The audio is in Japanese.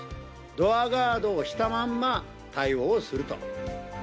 ドアガードをしたまんま対応をすると。